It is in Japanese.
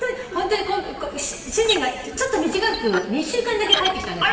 主人がちょっと短く２週間だけ帰ってきたんですよ。